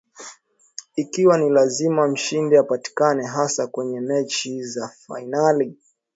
Ikiwa ni lazima mshindi apatikane hasa kwenye mechi za finali